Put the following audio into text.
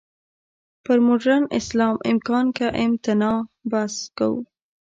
پر «مډرن اسلام، امکان که امتناع؟» بحث کوو.